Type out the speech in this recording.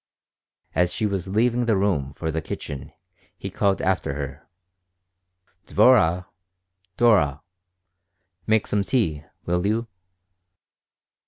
As she was leaving the room for the kitchen he called after her, "Dvorah! Dora! make some tea, will you?"